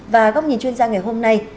và góc nhìn chuyên gia ngày hôm nay